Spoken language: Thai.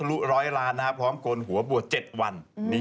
รับร้อยล้านพร้อมโกรณหัวบัวเจ็ดวัน